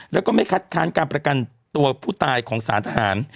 แล้วก็ไม่คัดค้านการประกันตัวผู้ตายของสารทหาร